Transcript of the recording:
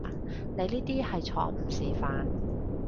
你呢啲係錯誤示範